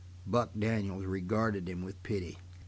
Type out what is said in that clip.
Buck Daniels regarded him with pity.